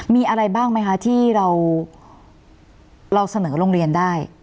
มีอะไรบ้างไหมคะที่เราเสนอโรงเรียนได้